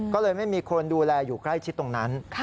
ก็เลยไม่มีคนดูแลอยู่ใกล้ชิดตรงนั้น